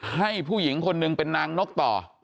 ให้ผู้หญิงคนหนึ่งเป็นนางนกต่อ